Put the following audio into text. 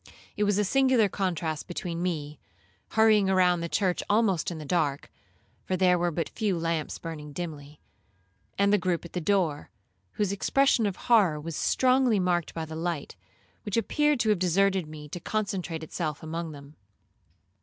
It was a singular contrast between me, hurrying round the church almost in the dark, (for there were but a few lamps burning dimly), and the groupe at the door, whose expression of horror was strongly marked by the light, which appeared to have deserted me to concentrate itself among them.